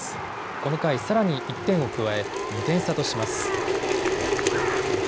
この回さらに１点を加え、２点差とします。